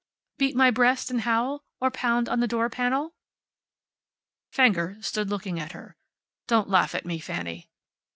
Beat my breast and howl? Or pound on the door panel?" Fenger stood looking at her. "Don't laugh at me, Fanny."